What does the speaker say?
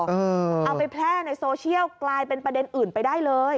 เอาไปแพร่ในโซเชียลกลายเป็นประเด็นอื่นไปได้เลย